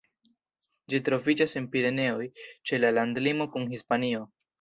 Ĝi troviĝas en Pireneoj, ĉe la landlimo kun Hispanio.